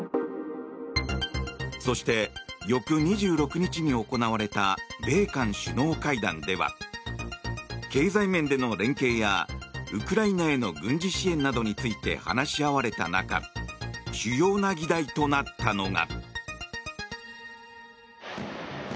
そして、翌２６日に行われた米韓首脳会談では経済面での連携やウクライナへの軍事支援などについて話し合われた中主要な議題となったのが。